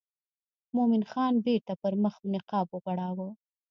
مومن خان بیرته پر مخ نقاب وغوړاوه.